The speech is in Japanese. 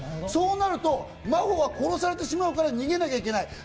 そうなると真帆は殺されてしまうから逃げなきゃいけない。